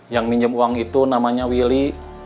yang minjem uang itu namanya willy